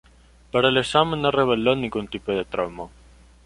Pero el examen no reveló ningún tipo de trauma.